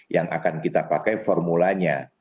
yang akan kita pakai formulanya